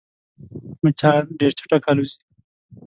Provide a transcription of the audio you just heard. مچان ډېر چټک الوزي